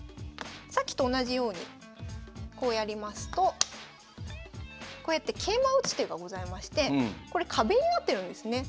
さっきと同じようにこうやりますとこうやって桂馬を打つ手がございましてこれ壁になってるんですね。